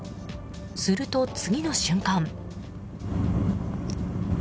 すると、次の瞬間。